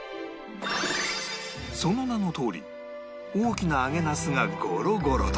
その名のとおり大きな揚げナスがゴロゴロと